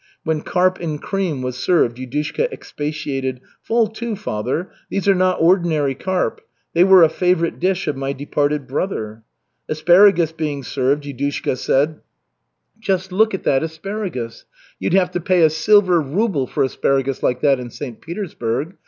When carp in cream was served, Yudushka expatiated: "Fall to, Father. These are not ordinary carp. They were a favorite dish of my departed brother." Asparagus being served, Yudushka said: "Just look at that asparagus! You'd have to pay a silver ruble for asparagus like that in St. Petersburg.